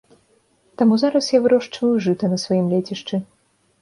Таму зараз я вырошчваю жыта на сваім лецішчы.